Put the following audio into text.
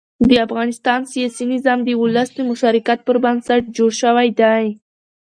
د افغانستان سیاسي نظام د ولس د مشارکت پر بنسټ جوړ شوی دی